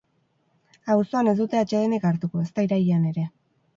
Abuztuan ez dute atsedenik hartuko, ezta irailean ere.